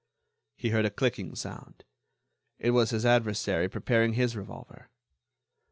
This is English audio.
He heard a clicking sound; it was his adversary preparing his revolver.